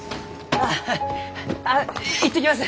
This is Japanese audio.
あっい行ってきます！